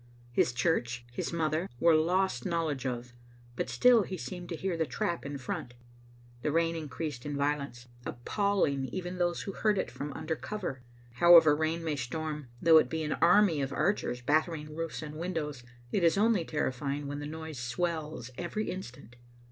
His church, his mother, were lost knowledge of, but still he seemed to hear the trap in front. The fain increased in violence, appalling even those who heard it from under cover. However rain may storm, though it be an army of archers battering roofs and windows, it is only terrifying when the noise swells every instant.